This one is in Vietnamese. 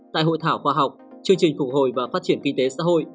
tại hội thảo khoa học chương trình phục hồi và phát triển kinh tế xã hội